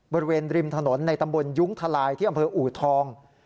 บริเวณริมถนนในตำบลยุ้งทลายที่อำเภออูทอง